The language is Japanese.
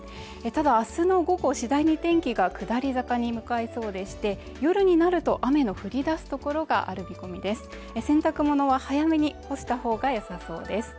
ただあすの午後次第に天気が下り坂に向かいそうでして夜になると雨の降りだす所がある見込みですが洗濯物は早めに干したほうがよさそうです